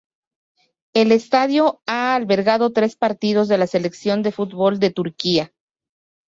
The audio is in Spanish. El estadio ha albergado tres partidos de la Selección de fútbol de Turquía